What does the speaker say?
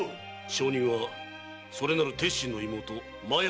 証人はそれなる鉄心の妹麻耶である。